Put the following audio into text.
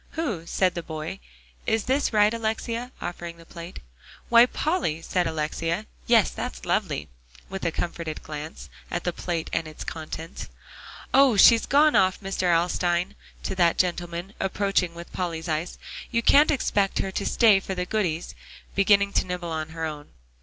"Who?" said the boy; "is this right, Alexia?" offering the plate. "Why, Polly," said Alexia; "yes, that's lovely," with a comforted glance at the plate and its contents. "Oh! she's gone off, Mr. Alstyne," to that gentleman, approaching with Polly's ice. "You can't expect her to stay for the goodies," beginning to nibble at her own.